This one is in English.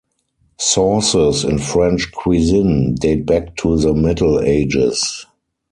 Sauces in French cuisine date back to the Middle Ages.